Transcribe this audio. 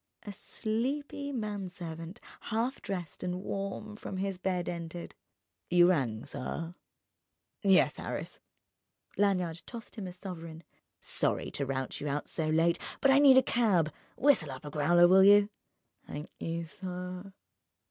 A sleepy manservant, half dressed and warm from his bed, entered. "You rang, sir?" "Yes, Harris." Lanyard tossed him a sovereign. "Sorry to rout you out so late, but I need a cab. Whistle up a growler, will you?" "'Nk you, sir."